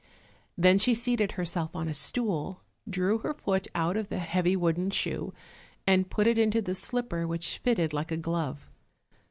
Then she seated herself on a stool, drew her foot out of the heavy wooden shoe, and put it into the slipper, which fitted like a glove.